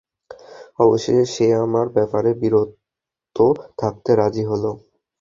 অবশেষে সে আমার ব্যাপারে বিরত থাকতে রাজি হল।